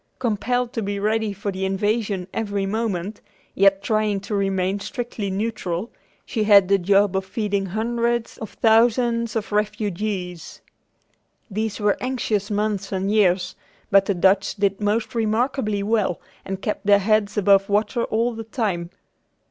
Compelled to be ready for invasion every moment, yet trying to remain strictly neutral, she had the job of feeding hundreds of thousands of refugees. These were anxious months and years, but the Dutch did most remarkably well and kept their heads above water all the time.